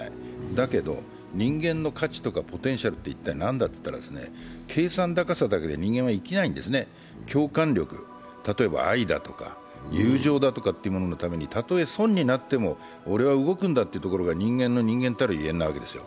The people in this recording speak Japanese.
だけど、人間の勝ちとかポテンシャルは何かといったら計算高さだけではないんです。共感力、例えば愛だとか友情だとかのためにたとえ損になっても俺は動くんだというところが人間の人間たるゆえんなわけですよ。